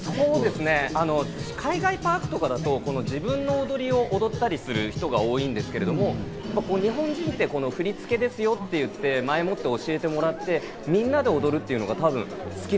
海外パークとかだと自分の踊りを踊ったりする人が多いんですけど、日本人って振り付けですよって言って、前もって教えてもらって、みんなで踊るっていうのが多分好き。